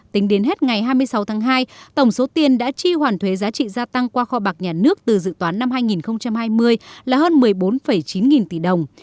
tính đến hết ngày hai mươi sáu tháng hai tổng số tiền đã chi hoàn thuế giá trị gia tăng qua kho bạc nhà nước từ dự toán năm hai nghìn hai mươi là hơn một mươi bốn chín nghìn tỷ đồng